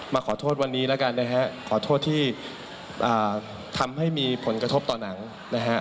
มาขอโทษวันนี้แล้วกันนะฮะขอโทษที่ทำให้มีผลกระทบต่อหนังนะฮะ